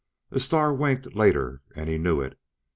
A star winked later and he knew it.